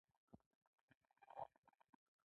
بلکي د مظلوم ملت د قبرونو څخه په وجود راغلی